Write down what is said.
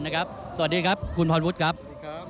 สวัสดีครับคุณพรวชว์ครับคุณครับ